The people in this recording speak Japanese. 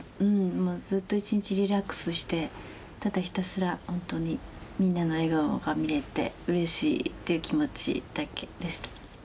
ずっと一日リラックスしてただひたすらホントにみんなの笑顔が見れてうれしいっていう気持ちだけでした。